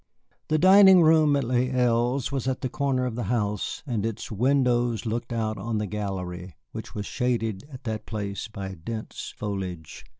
The dining room at Les Îles was at the corner of the house, and its windows looked out on the gallery, which was shaded at that place by dense foliage.